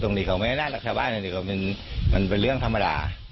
ตรงนี้เขะว่าน่าและชาวบ้านมันเป็นเรื่องธรรมดา